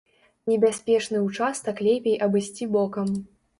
Небяспечны ўчастак лепей абысці бокам.